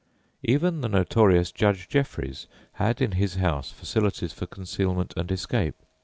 Even the notorious Judge Jeffreys had in his house facilities for concealment and escape.